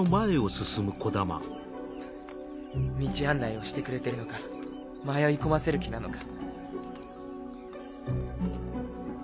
道案内をしてくれてるのか迷い込ませる気なのか。